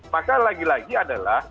maka lagi lagi adalah